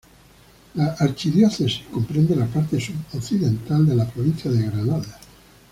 La archidiócesis comprende la parte sud-occidental de la provincia de Granada.